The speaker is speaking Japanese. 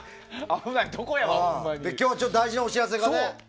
今日は大事なお知らせがね。